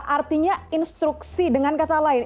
artinya instruksi dengan kata lain